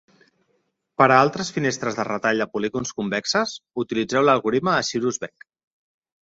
Per a altres finestres de retall de polígons convexes, utilitzeu l'algoritme de Cyrus-Beck.